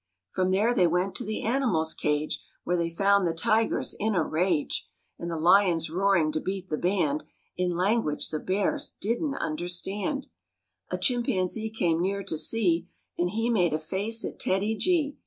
From there they went to the animals' cage Where they found the tigers in a rage And the lions roaring to beat the band In language the Bears didn't understand. MORE ABOUT THE ROOSEVELT BEARS A chimpanzee came near to see And he made a face at TEDDY G.